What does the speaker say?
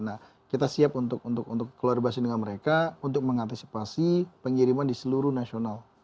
nah kita siap untuk keluar pasien dengan mereka untuk mengantisipasi pengiriman di seluruh nasional